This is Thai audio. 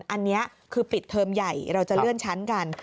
อันนี้คือปิดเทอมใหญ่เราจะเลื่อนชั้นกัน